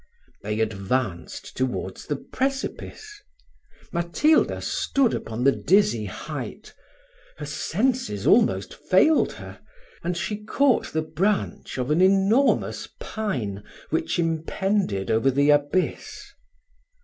They advanced towards the precipice. Matilda stood upon the dizzy height her senses almost failed her, and she caught the branch of an enormous pine which impended over the abyss.